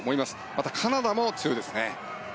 また、カナダも強いですね。